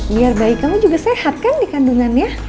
biar bayi kamu juga sehat kan di kandungannya